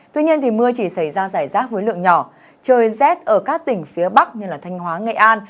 tuy nhiên mưa chỉ xảy ra giải rác với lượng nhỏ trời rét ở các tỉnh phía bắc như thanh hóa nghệ an